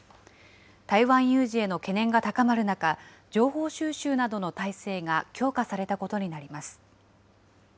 台湾有事への懸念が高まる中、情報収集などの体制が強化されたことになります。